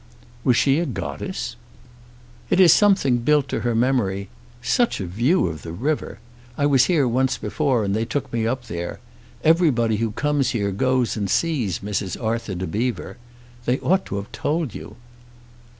"Was she a goddess?" "It is something built to her memory. Such a view of the river! I was here once before and they took me up there. Everybody who comes here goes and sees Mrs. Arthur de Bever. They ought to have told you."